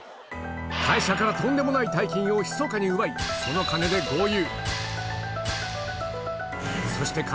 会社からとんでもない大金をひそかに奪いその金で豪遊